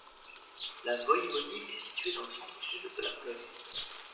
La voïvodie est située dans le centre-sud de la Pologne.